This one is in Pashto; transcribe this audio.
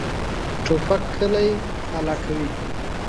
توپک کلی تالا کوي.